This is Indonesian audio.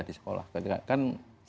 di sekolah kan